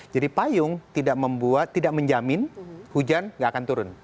jadi payung tidak membuat tidak menjamin hujan nggak akan turun